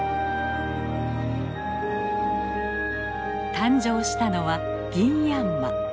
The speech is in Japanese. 誕生したのはギンヤンマ。